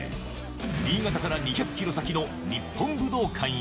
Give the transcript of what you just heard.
新潟から２００キロ先の日本武道館へ。